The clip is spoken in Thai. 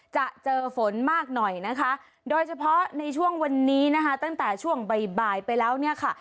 จะเจอฝนมากหน่อยนะคะโดยเฉพาะในช่วงวันนี้นะคะตั้งแต่ช่วงบ่ายบ่ายไปแล้วเนี่ยค่ะ